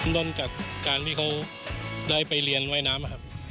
น้ำจากการที่เขาได้ไปเรียนว่ายน้ำ